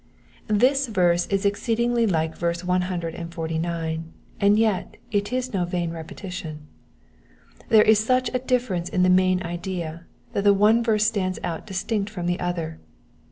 This verse is exceedingly like verse one hundred and forty nine, and yet it is no vain repetition. There is such a difference in the main idea that the one verse stands out distinct from the other.